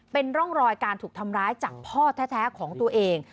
เป็นร่องรอยการถูกทำร้ายจากพ่อแท้ของตัวเอง